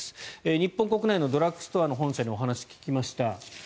日本国内のドラッグストアの本社にお話を聞きました。